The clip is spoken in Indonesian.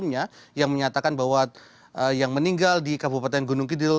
yang menyatakan bahwa yang meninggal di kabupaten gunung kidul